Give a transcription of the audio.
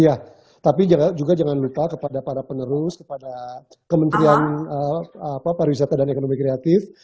iya tapi juga jangan lupa kepada para penerus kepada kementerian pariwisata dan ekonomi kreatif